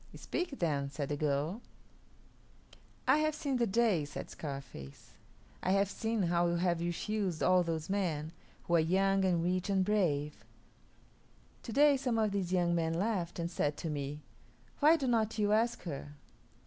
"Speak, then," said the girl. "I have seen the days," said Scarface. "I have seen how you have refused all those men, who are young and rich and brave. To day some of these young men laughed and said to me, 'Why do not you ask her?'